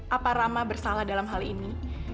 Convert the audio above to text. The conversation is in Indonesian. apa rama bersalah dalam hal ini